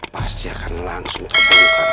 pasti akan langsung terbuka